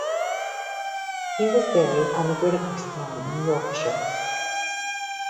He was buried on the Whitakers' farm in Yorkshire.